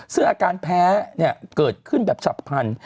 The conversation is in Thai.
ซึ่งอาการแพ้เกิดขึ้นแบบฉับพันธ